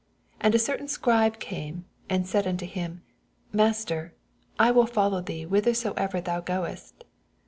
19 And a certain Scribe came, and Baid nnto him, Master, I will follow thee whithersoever thou goest.